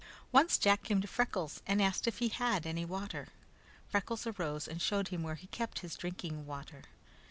Once Jack came to Freckles and asked if he had any water. Freckles arose and showed him where he kept his drinking water.